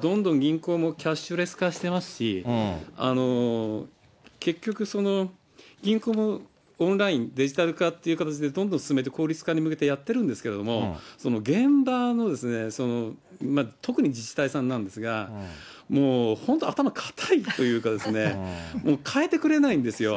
どんどん銀行もキャッシュレス化してますし、結局、銀行もオンライン、デジタル化っていう形で、どんどん進めて効率化に向けてやってるんですけれども、現場の、特に自治体さんなんですが、もう本当、頭固いというかですね、変えてくれないんですよ。